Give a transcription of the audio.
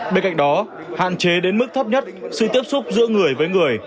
bên cạnh đó hạn chế đến mức thấp nhất sự tiếp xúc giữa người với người